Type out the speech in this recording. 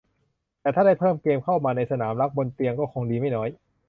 แต่ถ้าได้เพิ่มเกมเข้ามาในสนามรักบนเตียงคงดีไม่น้อย